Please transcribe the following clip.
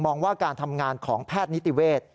ว่าการทำงานของแพทย์นิติเวศ